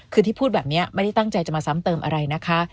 คือที่พูดแบบนี้ไม่ได้ตั้งใจจะมาซ้ำเติมอะไรนะคะ